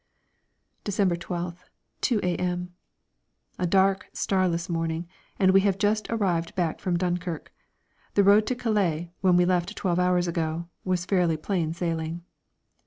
December 12th, 2 a.m. A dark, starless morning, and we have just arrived back from Dunkirk. The road to Calais, when we left twelve hours ago, was fairly plain sailing.